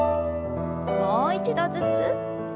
もう一度ずつ。